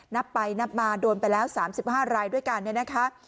นับไปนับมาโดนไปแล้ว๓๕รายด้วยกันเนี่ยนะคะ